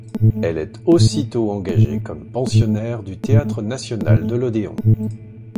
Elle est aussitôt engagée comme pensionnaire du théâtre national de l'Odéon.